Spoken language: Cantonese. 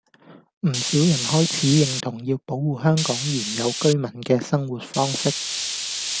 唔少人開始認同要保護香港原有居民嘅生活模式